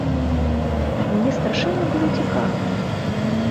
Мне страшэнна было цікава.